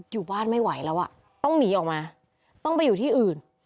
อยู่บ้านไม่ไหวแล้วอ่ะต้องหนีออกมาต้องไปอยู่ที่อื่น